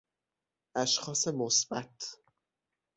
اشخاص مثبت